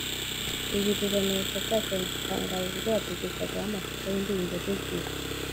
Ibi Ruremire Focus yabidutangarije ubwo yatugezagaho amashusho y’indirimbo ze ebyiri